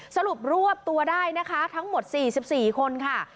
สรุปรวบตัวได้นะคะทั้งหมด๔๔คนค่ะ